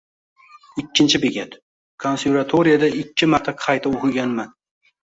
Ikkinchi bekat: Konservatoriyada ikki marta qayta o’qiganman